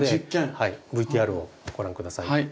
ＶＴＲをご覧下さい。